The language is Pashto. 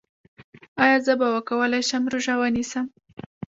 ایا زه به وکولی شم روژه ونیسم؟